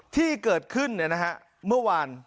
ที่เกิดขึ้นเนี่ยนะฮะเมื่อวาน